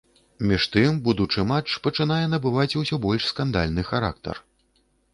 Між тым, будучы матч пачынае набываць усё больш скандальны характар.